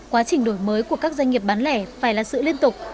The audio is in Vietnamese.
quá trình đổi mới của các doanh nghiệp bán lẻ phải là sự liên tục